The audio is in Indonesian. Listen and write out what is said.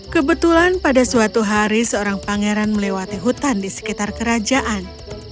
kebetulan pada suatu hari seorang pangeran melewati hutan di sekitar kerajaan